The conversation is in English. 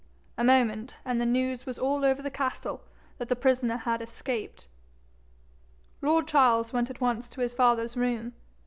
A moment, and the news was all over the castle that the prisoner had escaped. Lord Charles went at once to his father's room.